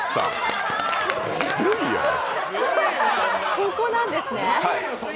ここなんですね。